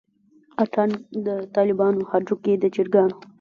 اتڼ دطالبانو هډوکے دچرګانو